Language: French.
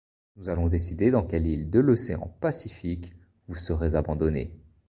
Nous allons décider dans quelle île de l’Océan Pacifique vous serez abandonné.